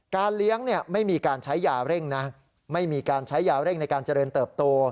การเลี้ยงไม่มีการใช้ยาร่ิ่งนะการเจริญเติบโต